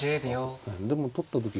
でも取った時に。